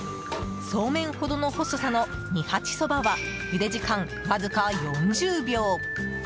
そうめんほどの細さの二八そばはゆで時間わずか４０秒。